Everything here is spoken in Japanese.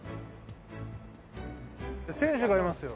選手がいますよ。